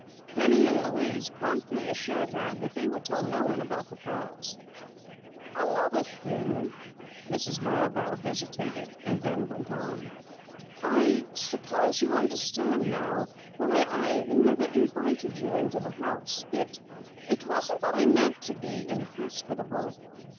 Penny and Louise promptly assured her that they would tell no one about the pearls. "Another thing " Mrs. Marborough hesitated and then went on. "I suppose you understand now why I never invited you into the house. It wasn't that I meant to be inhospitable."